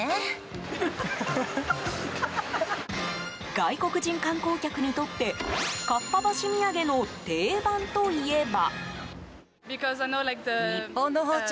外国人観光客にとってかっぱ橋土産の定番といえば。